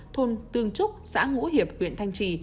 thôn tương trúc xã ngũ hiệp huyện thanh trì